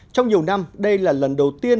trong nhiều năm đây là lần đầu tiên